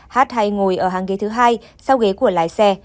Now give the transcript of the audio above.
hát hay ngồi ở hàng ghế thứ hai sau ghế của lái xe